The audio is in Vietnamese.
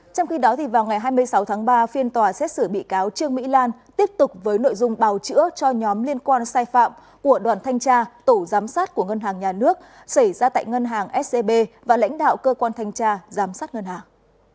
trong khi đó vào ngày hai mươi sáu tháng ba phiên tòa xét xử bị cáo trương mỹ lan tiếp tục với nội dung bào chữa cho nhóm liên quan sai phạm của đoàn thanh tra tổ giám sát của ngân hàng nhà nước xảy ra tại ngân hàng scb và lãnh đạo cơ quan thanh tra giám sát ngân hàng